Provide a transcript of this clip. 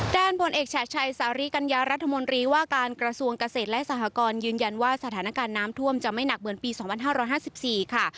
ผลเอกแฉะชัยสาริกัญญารัฐมนตรีว่าการกระทรวงเกษตรและสหกรณ์ยืนยันว่าสถานการณ์น้ำท่วมจะไม่หนักเหมือนปี๒๕๕๔ค่ะ